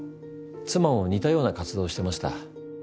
妻も似たような活動をしてました。